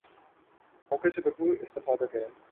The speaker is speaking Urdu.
موقع سے بھرپور استفادہ کریں